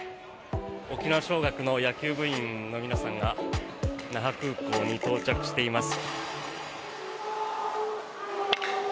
沖縄尚学の野球部員の皆さんが那覇空港に到着しています。